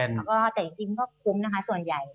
แล้วก็แต่จริงก็คุ้มนะคะส่วนใหญ่